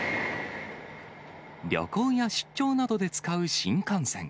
旅行や出張などで使う新幹線。